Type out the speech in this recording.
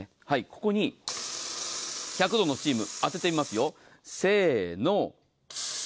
ここに１００度のスチーム当ててみますよ。